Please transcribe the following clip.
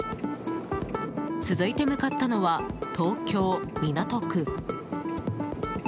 続いて向かったのは東京・港区。